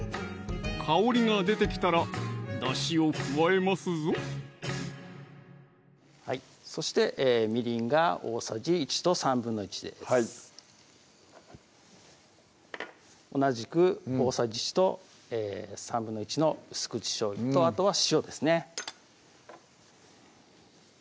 香りが出てきたらだしを加えますぞそしてみりんが大さじ１と１／３ですはい同じく大さじ１と１／３の薄口しょうゆとあとは塩ですね